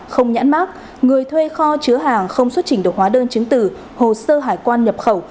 không nhãn mát người thuê kho chứa hàng không xuất trình được hóa đơn chứng tử hồ sơ hải quan nhập khẩu